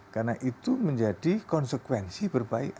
karena itu menjadi konsekuensi berbaik